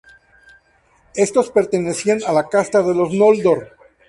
Estos pertenecían a la casta de los Noldor.